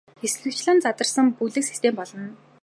Хэсэгчлэн задарсан бүлэг систем болно.